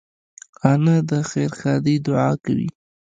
انا د خیر ښادۍ دعا کوي